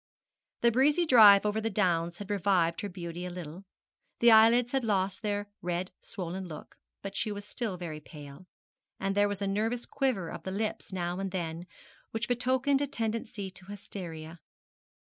The breezy drive over the downs had revived her beauty a little. The eyelids had lost their red swollen look, but she was still very pale, and there was a nervous quiver of the lips now and then which betokened a tendency to hysteria.